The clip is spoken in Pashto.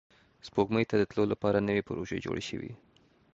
سپوږمۍ ته د تلو لپاره نوې پروژې جوړې شوې